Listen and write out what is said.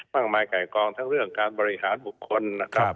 มากมายไก่กองทั้งเรื่องการบริหารบุคคลนะครับ